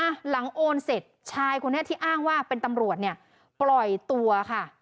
หลังโอนเสร็จชายคนนี้ที่อ้างว่าเป็นตำรวจเนี่ยปล่อยตัวค่ะ